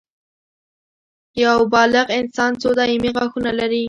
یو بالغ انسان څو دایمي غاښونه لري